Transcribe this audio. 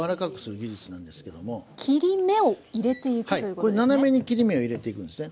これ斜めに切り目を入れていくんですね。